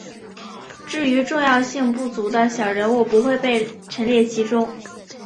至于重要性不足的小人物不会被陈列其中。